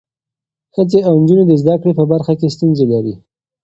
ښځې او نجونې د زده کړې په برخه کې ستونزې لري.